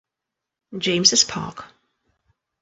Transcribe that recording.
James's Park.